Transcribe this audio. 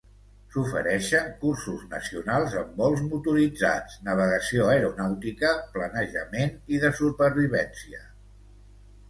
S'ofereixen cursos nacionals en vols motoritzats, navegació aeronàutica, planejament i de supervivència.